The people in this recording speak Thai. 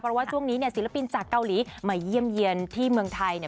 เพราะว่าช่วงนี้เนี่ยศิลปินจากเกาหลีมาเยี่ยมเยี่ยนที่เมืองไทยเนี่ย